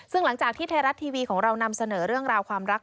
ซึ่งหลังจากที่ไทยรัฐทีวีของเรานำเสนอเรื่องราวความรัก